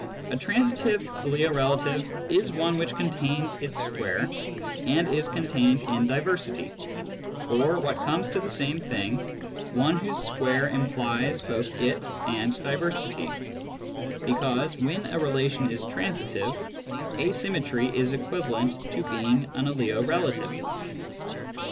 A transitive aliorelative is one which contains its square and is contained in diversity ; or, what comes to the same thing, one whose square implies both it and diversity — because, when a relation is transitive, asymmetry is equivalent to being an aliorelative.